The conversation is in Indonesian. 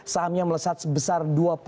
sahamnya melesat sebesar rp dua puluh tujuh